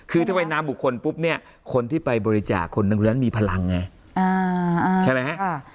คือถ้าเป็นนามบุคคลปุ๊บเนี่ยคนที่ไปบริจาคคนหนึ่งนั้นมีพลังไงใช่ไหมฮะ